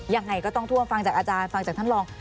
ยังไงก็ต้องท่วมฟังจากอาจารย์ฟังจากท่านรอง